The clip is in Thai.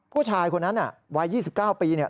ผู้ชายคนนั้นวัย๒๙ปี